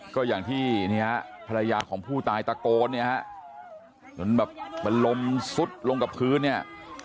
ก็อย่างที่ภรรยาของผู้ตายตะโกนเนี่ยฮะจนแบบเป็นลมซุดลงกับพื้นเนี่ย